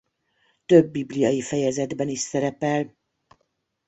Több bibliai fejezetben is szerepel.